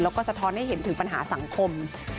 แล้วก็สะท้อนให้เห็นถึงปัญหาสังคม